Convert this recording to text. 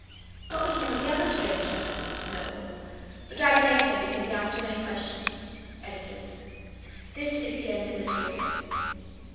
(What became of the other stranger? NOEL. The dragon ate him because he asked too many questions. EDITORS.) This is the end of the story.